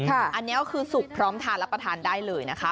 อันนี้ก็คือสุกพร้อมทานรับประทานได้เลยนะคะ